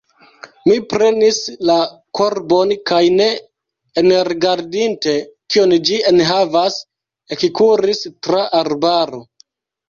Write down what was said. Mi prenis la korbon kaj ne enrigardinte, kion ĝi enhavas, ekkuris tra arbaro.